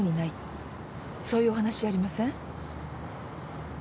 そういうお話じゃありません？